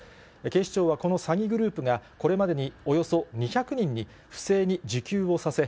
警視庁はこの詐欺グループが、これまでにおよそ２００人に不正に受給をさせ、